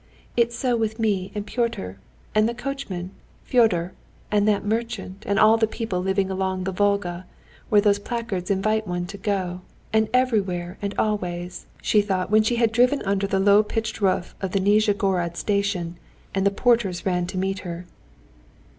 "It's so with me and Pyotr, and the coachman, Fyodor, and that merchant, and all the people living along the Volga, where those placards invite one to go, and everywhere and always," she thought when she had driven under the low pitched roof of the Nizhigorod station, and the porters ran to meet her.